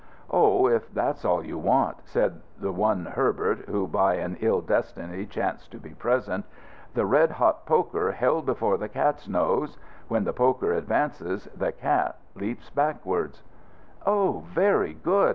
'" "Oh, if that's all you want," said the one Herbert, who by an ill destiny chanced to be present, "'The red hot poker held before the Cat's nose: When the poker advances the Cat leaps backwards.'" "Oh, very good!"